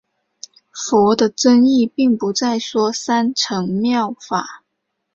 佛的真意并不再说三乘妙法。